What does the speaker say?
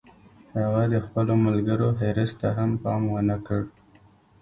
هغه د خپلو ملګرو حرص ته هم پام و نه کړ